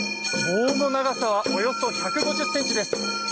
棒の長さはおよそ１５０ｃｍです。